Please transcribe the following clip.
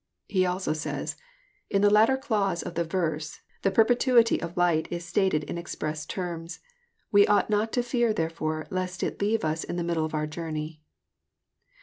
He also says, —" In the latter clause of the verse, the perpetuity of light is stated in express terms. We ought not to fear theie fore lest it leave us in the middle of our journey.'